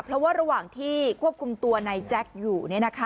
เพราะว่าระหว่างที่ควบคุมตัวนายแจ๊คอยู่